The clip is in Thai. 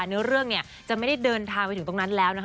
เนื้อเรื่องเนี่ยจะไม่ได้เดินทางไปถึงตรงนั้นแล้วนะคะ